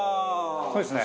そうですね。